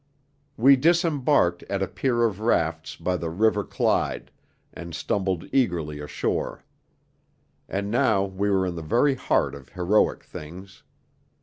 We disembarked at a pier of rafts by the River Clyde, and stumbled eagerly ashore. And now we were in the very heart of heroic things.